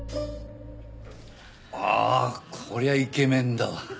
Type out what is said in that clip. ああこりゃイケメンだわ。